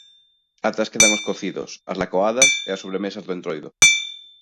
Atrás quedan os cocidos, as lacoadas e as sobremesas do Entroido.